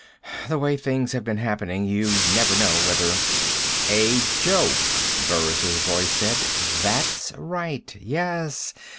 The way things have been happening, you never know whether " "A joke," Burris' voice said. "That's right. Yes.